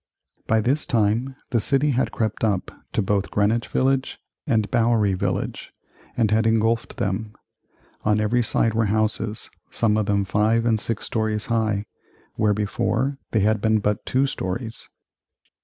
By this time the city had crept up to both Greenwich Village and Bowery Village, and had engulfed them. On every side were houses, some of them five and six stories high, where before they had been but two stories.